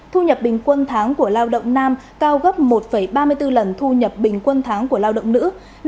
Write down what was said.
thu nhập bình quân tháng của lao động nam cao gấp một ba mươi bốn lần thu nhập bình quân tháng của lao động nữ